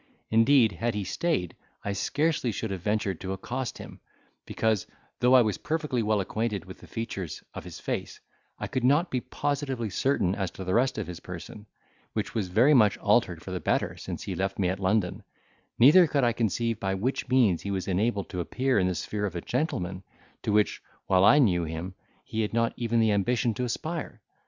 Indeed, had he stayed, I scarcely should have ventured to accost him; because, though I was perfectly well acquainted with the features of his face, I could not be positively certain as to the rest of his person, which was very much altered for the better since he left me at London, neither could I conceive by which means he was enabled to appear in the sphere of a gentleman, to which, while I knew him, he had not even the ambition to aspire.